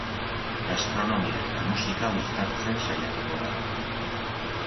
Gastronomia eta musika uztartzen saiatuko gara.